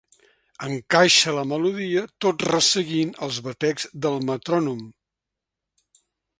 Encaixa la melodia tot resseguint els batecs del metrònom.